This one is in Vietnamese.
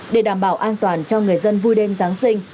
để đảm bảo an toàn cho người dân vui đêm giáng sinh